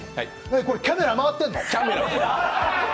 これキャメラ回ってんの？